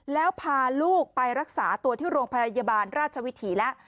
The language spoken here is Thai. แล้วพาลูกไปรักษาตัวที่โรงพยาบาลราชวิถีแล้ว